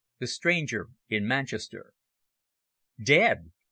THE STRANGER IN MANCHESTER. "Dead!